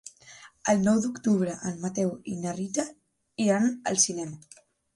El nou d'octubre en Mateu i na Rita iran al cinema.